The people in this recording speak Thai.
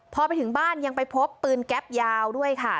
พอไปถึงบ้านยังไปพบปืนแก๊ปยาวด้วยค่ะ